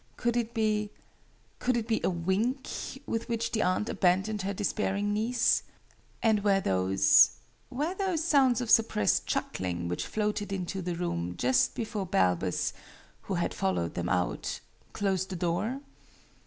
Could it be could it be a wink with which the aunt abandoned her despairing niece? And were those were those sounds of suppressed chuckling which floated into the room, just before Balbus (who had followed them out) closed the door?